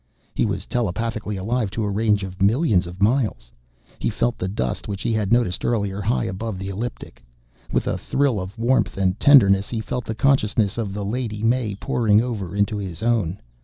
He was telepathically alive to a range of millions of miles. He felt the dust which he had noticed earlier high above the ecliptic. With a thrill of warmth and tenderness, he felt the consciousness of the Lady May pouring over into his own.